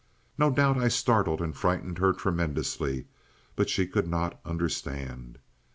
No doubt I startled and frightened her tremendously. But she could not understand.